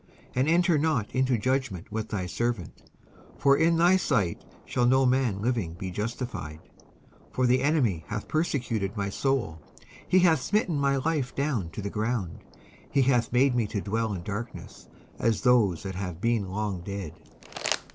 19:143:002 And enter not into judgment with thy servant: for in thy sight shall no man living be justified. 19:143:003 For the enemy hath persecuted my soul; he hath smitten my life down to the ground; he hath made me to dwell in darkness, as those that have been long dead.